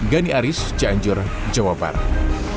gani aris cianjur jawa barat